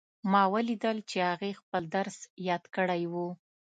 ما ولیدل چې هغې خپل درس یاد کړی وو